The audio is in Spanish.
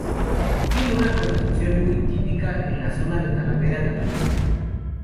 Tiene una construcción muy típica en la zona de Talavera de la Reina.